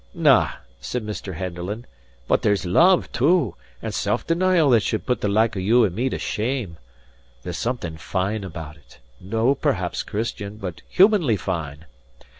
"Na," said Mr. Henderland, "but there's love too, and self denial that should put the like of you and me to shame. There's something fine about it; no perhaps Christian, but humanly fine.